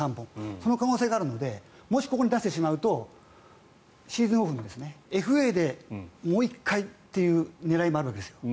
その可能性があるのでもしここに出してしまうとシーズンオフのＦＡでもう１回という狙いもあるんです。